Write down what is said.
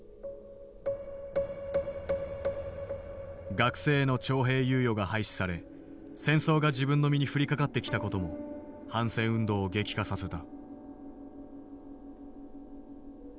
学生への徴兵猶予が廃止され戦争が自分の身に降りかかってきた事も反戦運動を激化させた。